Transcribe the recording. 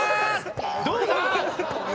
どうだ？